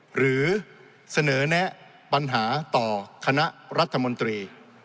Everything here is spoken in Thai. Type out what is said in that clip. หรือเสนอแนะปัญหาต่อคณะรัฐมนตรี